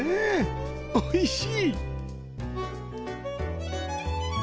おいしい！